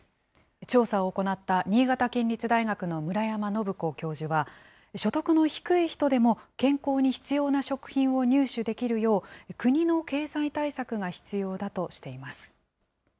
調査を行った新潟県立大学の村山伸子教授は、所得の低い人でも健康に必要な食品を入手できるよう、国の経済対策が必要だとしています。